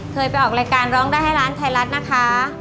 เคยไปออกรายการร้องได้ให้ร้านไทยรัฐนะคะ